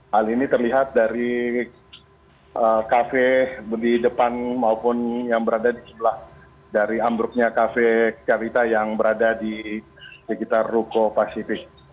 hal ini terlihat dari kafe di depan maupun yang berada di sebelah dari ambruknya kafe carita yang berada di sekitar ruko pasifik